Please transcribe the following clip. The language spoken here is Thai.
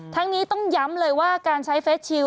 ทั้งนี้ต้องย้ำเลยว่าการใช้เฟสชิล